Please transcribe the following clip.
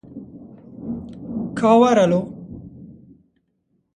Ka were lo